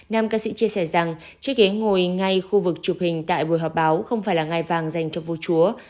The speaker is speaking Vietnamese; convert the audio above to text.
nam ca sĩ chia sẻ rằng chiếc ghế ngồi ngay khu vực chụp hình tại buổi họp báo không phải là ngài vàng dành cho vua chúa